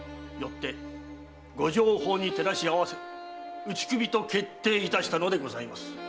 よってご定法に照らし合わせ打首と決定したのでございます。